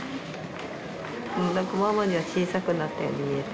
ママには小さくなったように見える。